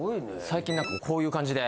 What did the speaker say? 最近何かこういう感じで。